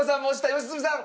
良純さん。